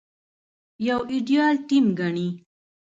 يو ايديال ټيم ګڼي.